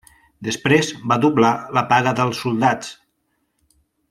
Després va doblar la paga dels soldats.